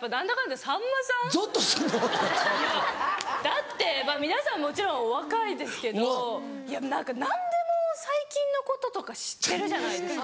だって皆さんもちろんお若いですけど何でも最近のこととか知ってるじゃないですか。